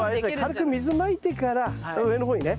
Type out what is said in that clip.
軽く水まいてから上の方にね。